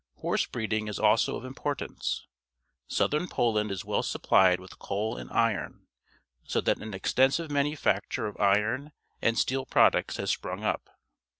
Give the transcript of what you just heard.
Horse breeding is also of importance. Southern Poland is well sup plied with coal and iron, so that an extensive manufacture of iron and steel products has sprung up.